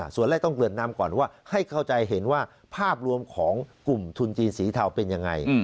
ส่วนแรกต้องเกิดนำก่อนว่าให้เข้าใจเห็นว่าภาพรวมของกลุ่มทุนจีนสีเทาเป็นยังไง